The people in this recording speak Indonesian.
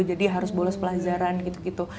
jadi harus bolos pelajaran gitu gitu